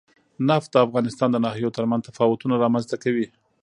نفت د افغانستان د ناحیو ترمنځ تفاوتونه رامنځ ته کوي.